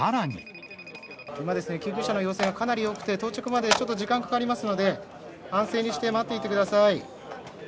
今ですね、救急車の要請がかなり多くて、到着までちょっと時間かかりますので、安静にして待っていてください。